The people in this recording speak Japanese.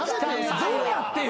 どうやってよ？